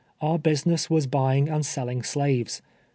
Our business was buying and selling slaves.